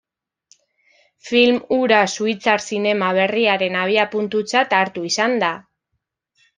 Film hura suitzar zinema berriaren abiapuntutzat hartu izan da.